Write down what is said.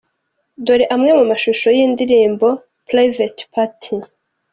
Dore amwe mu mashusho y’iyi ndirimbo Private Party:.